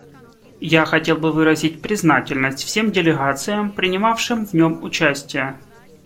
Я хотел бы выразить признательность всем делегациям, принимавшим в нем участие.